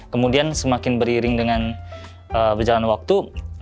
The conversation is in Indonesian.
kemudian semakin beriring dengan berjalan waktu